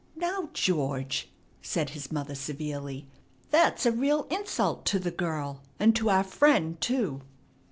"Now, George," said his mother severely, "that's a real insult to the girl, and to our friend too.